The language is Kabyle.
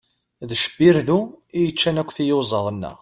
D cebbirdu i yeccan akk tiyuzaḍ-nneɣ.